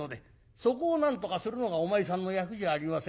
「そこをなんとかするのがお前さんの役じゃありませんか。